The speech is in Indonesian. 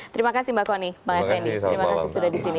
terima kasih mbak kony mbak effendi